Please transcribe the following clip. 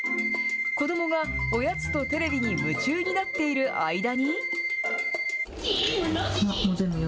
子どもがおやつとテレビに夢中になっている間に。